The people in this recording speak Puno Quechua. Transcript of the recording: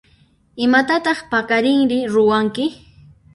Imatataq paqarinri ruwanki?